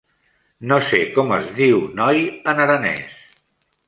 No sé com es diu noi en aranès.